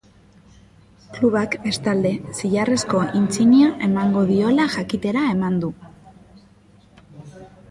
Klubak, bestalde, zilarrezko-intsignia emango diola jakitera eman du.